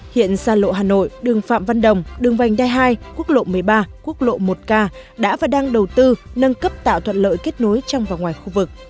hiện xa lộ hà nội đường phạm văn đồng đường vành đai hai quốc lộ một mươi ba quốc lộ một k đã và đang đầu tư nâng cấp tạo thuận lợi kết nối trong và ngoài khu vực